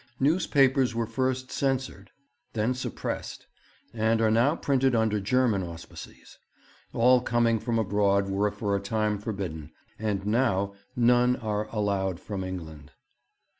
Newspapers were first censored, then suppressed, and are now printed under German auspices; all coming from abroad were for a time forbidden, and now none are allowed from England....